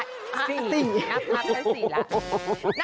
๔ครับนับกัน๔ละ